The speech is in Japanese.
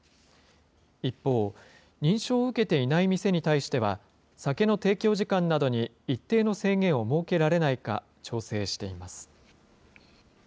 一方、認証を受けていない店に対しては、酒の提供時間などに一定の制限を設けられないか、調整しています。